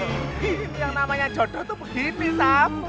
ini yang namanya jodoh tuh begini samu